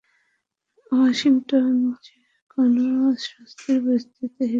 Washington যে কোনও স্থবির পরিস্থিতিতে হিরোদের ব্যবহার করে।